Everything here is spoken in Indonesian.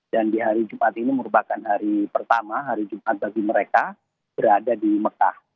dan di hari jumat ini merupakan hari pertama hari jumat bagi mereka berada di mekah